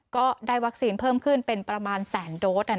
ก็ได้วัคซีนเพิ่มขึ้นเป็นประมาณแสนโดส